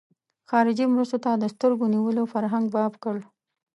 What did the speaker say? خارجي مرستو ته د سترګو نیولو فرهنګ باب کړ.